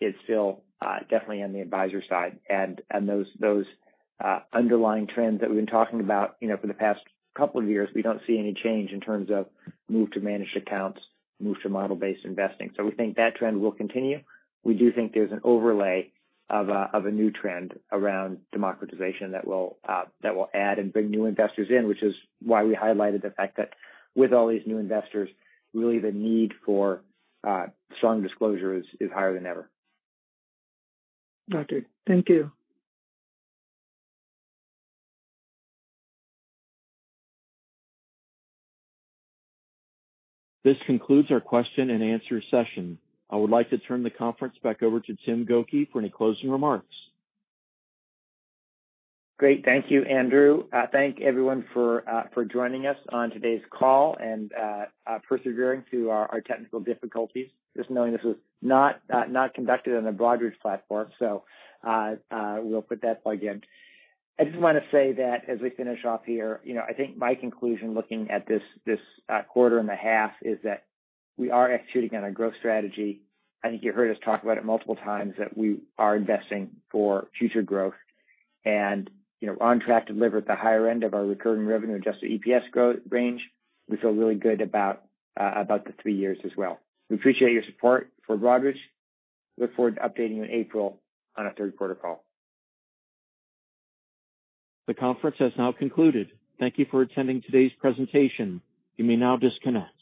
it's still definitely on the advisor side, and those underlying trends that we've been talking about for the past couple of years, we don't see any change in terms of move to managed accounts, move to model-based investing. We think that trend will continue. We do think there's an overlay of a new trend around democratization that will add and bring new investors in, which is why we highlighted the fact that with all these new investors, really the need for strong disclosure is higher than ever. Got it. Thank you. This concludes our question and answer session. I would like to turn the conference back over to Tim Gokey for any closing remarks. Great. Thank you, Andrew. Thank everyone for joining us on today's call and persevering through our technical difficulties. Just knowing this was not conducted on a Broadridge platform, we'll put that plug in. I just want to say that as we finish off here, I think my conclusion looking at this quarter and a half is that we are executing on our growth strategy. I think you heard us talk about it multiple times, that we are investing for future growth and on track to deliver at the higher end of our recurring revenue adjusted EPS growth range. We feel really good about the three years as well. We appreciate your support for Broadridge. Look forward to updating you in April on our third quarter call. The conference has now concluded. Thank you for attending today's presentation. You may now disconnect.